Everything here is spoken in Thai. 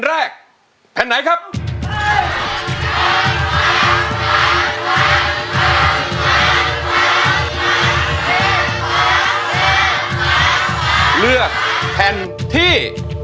และต้องเลือกแผ่นที่๕